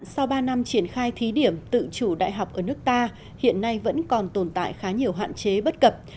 sau ba năm triển khai thí điểm tự chủ đại học ở nước ta hiện nay vẫn còn tồn tại khá nhiều hạn chế bất cập